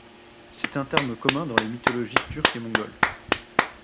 C'est un terme commun dans les mythologies turque et mongole.